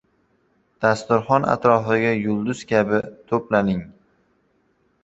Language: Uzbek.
Dasturxon atrofiga yulduz kabi to‘planing